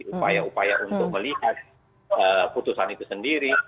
upaya upaya untuk melihat putusan itu sendiri